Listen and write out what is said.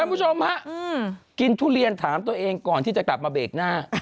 คุณผู้ชมฮะกินทุเรียนถามตัวเองก่อนที่จะกลับมาเบรกหน้า